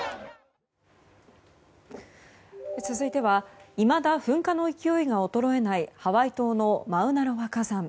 続いてはいまだ噴火の勢いが衰えないハワイ島のマウナロア火山。